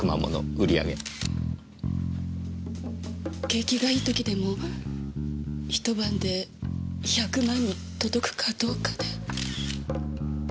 景気がいい時でもひと晩で百万に届くかどうかで。